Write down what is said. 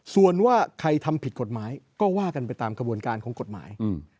ส่วนว่าใครทำผิดกฎหมายก็ว่ากันไปตามกระบวนการของกฎหมาย